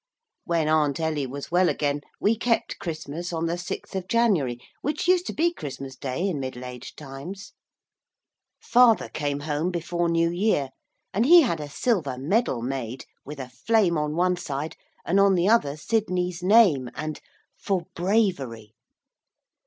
When Aunt Ellie was well again we kept Christmas on the 6th of January, which used to be Christmas Day in middle aged times. Father came home before New Year, and he had a silver medal made, with a flame on one side, and on the other Sidney's name, and 'For Bravery.'